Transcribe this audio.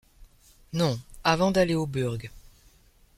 Non. .. avant d’aller au burg.